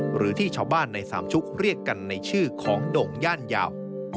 หรือที่ชาวบ้านในสามชุกเรียกกันในชื่อของด่งย่านยาว